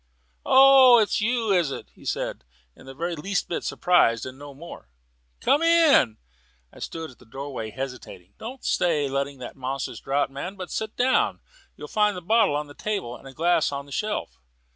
"Oh, it's you, is it?" he said, just the very least bit surprised and no more. "Come in." I stood in the doorway hesitating. "Don't stay letting in that monstrous draught, man; but sit down. You'll find the bottle on the table and a glass on the shelf."